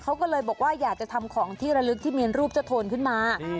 เขาก็เลยบอกว่าอยากจะทำของที่ระลึกที่มีรูปเจ้าโทนขึ้นมา